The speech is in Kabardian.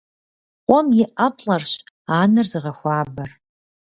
Къуэм и ӏэплӏэрщ анэр зыгъэхуабэр.